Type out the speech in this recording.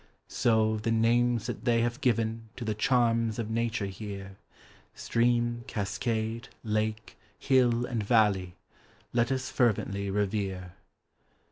So, the names that they have given To the charms of Nature here Stream, cascade, lake, hill, and valley Let us fervently revere.